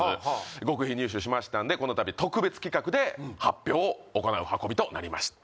極秘入手しましたんでこのたびを行う運びとなりました